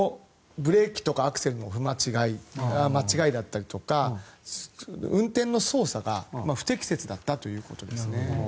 ブレーキとかアクセルの踏み間違いであったりとか運転の操作が不適切だったということですね。